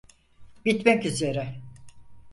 Bitmek üzere.